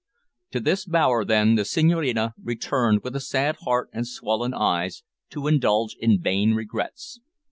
To this bower, then, the Senhorina returned with a sad heart and swollen eyes, to indulge in vain regrets.